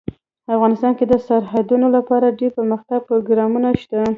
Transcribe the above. افغانستان کې د سرحدونه لپاره دپرمختیا پروګرامونه شته.